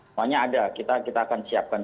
semuanya ada kita akan siapkan